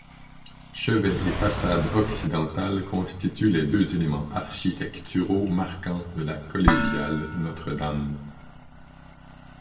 Chevet et façade occidentale constituent les deux éléments architecturaux marquants de la collégiale Notre-Dame.